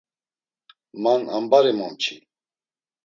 Man ambari momçi.